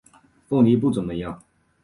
凤梨不怎么样